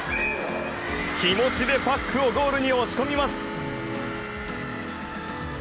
気持ちでパックをゴールに押し込みます。